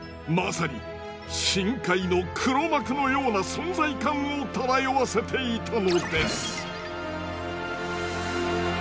まさに深海の黒幕のような存在感を漂わせていたのです。